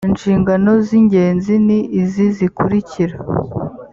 inshingano z ingenzi ni izi zikurikira